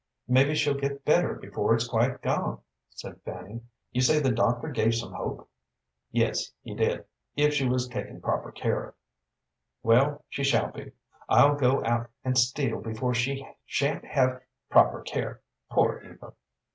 "Mebbe she'll get better before it's quite gone," said Fanny. "You say the doctor gave some hope?" "Yes, he did, if she was taken proper care of." "Well, she shall be. I'll go out and steal before she sha'n't have proper care. Poor Eva!"